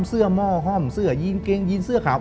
หม้อห้อมเสื้อยีนเกงยีนเสื้อขาว